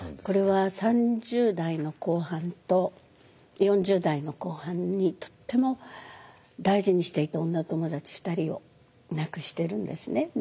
これは３０代の後半と４０代の後半にとっても大事にしていた女友達２人を亡くしてるんですね。